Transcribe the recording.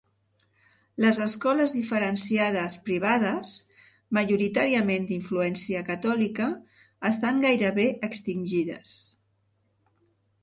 Les escoles diferenciades privades, majoritàriament d'influència catòlica, estan gairebé extingides.